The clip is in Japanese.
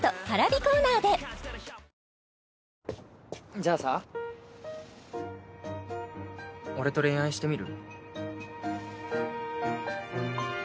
じゃあさ俺と恋愛してみる？